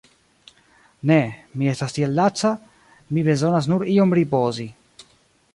Ne, mi estas tiel laca, mi bezonas nur iom ripozi.